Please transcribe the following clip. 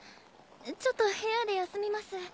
ちょっと部屋で休みます。